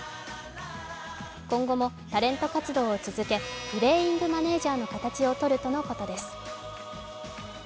今後もタレント活動を続けプレーイングマネージャーの形をとるということです。